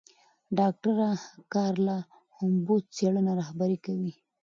ډاکټره کارلا هومبو څېړنه رهبري کوي.